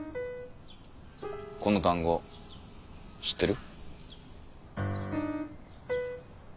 この単語知ってる？